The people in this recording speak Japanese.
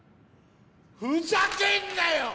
ふざけんなよ！